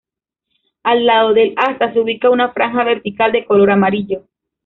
Al lado del asta se ubica una franja vertical de color amarillo.